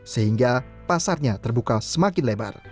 sehingga pasarnya terbuka semakin lebar